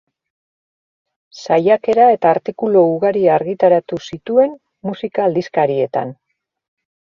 Saiakera eta artikulu ugari argitaratu zituen musika-aldizkarietan.